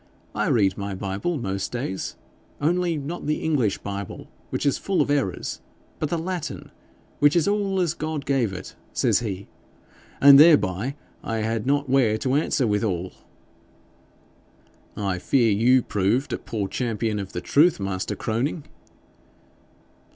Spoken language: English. "I read my Bible most days, only not the English Bible, which is full of errors, but the Latin, which is all as God gave it," says he. And thereby I had not where to answer withal.' 'I fear you proved a poor champion of the truth, master Croning.'